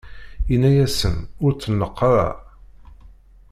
inna-asen: Ur t-neqq ara!